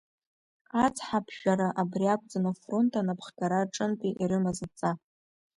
Ацҳа аԥжәара абри акәӡан афронт анапхгара рҿынтәи ирымаз адҵа.